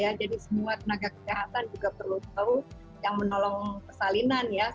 tetapi semua tenaga kesehatan juga perlu tahu yang menolong kesalinan